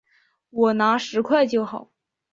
我拿十块就好